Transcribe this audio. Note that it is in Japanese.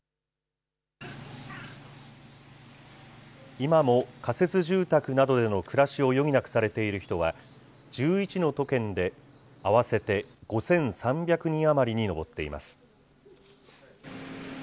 今も仮設住宅などでの暮らしを余儀なくされている人は、１１の都県で合わせて５３００人余りに上っています。